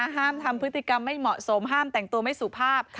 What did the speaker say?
ห้ามทำพฤติกรรมไม่เหมาะสมห้ามแต่งตัวไม่สุภาพ